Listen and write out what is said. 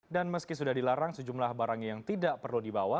dan meski sudah dilarang sejumlah barang yang tidak perlu dibawa